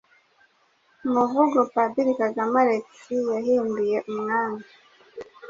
Umuvugo Padiri Kagame Alexis yahimbiye umwami